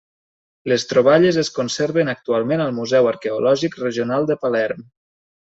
Les troballes es conserven actualment al Museu Arqueològic Regional de Palerm.